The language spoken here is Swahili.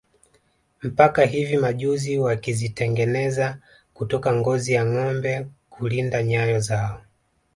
Mpaka hivi majuzi wakizitengeneza kutoka ngozi ya ngombe kulinda nyayo zao